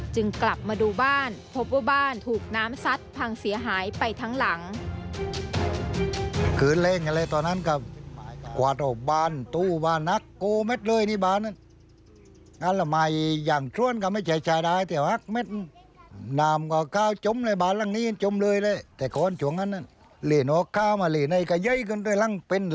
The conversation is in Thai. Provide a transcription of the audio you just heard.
กลับมาดูบ้านพบว่าบ้านถูกน้ำซัดพังเสียหายไปทั้งหลัง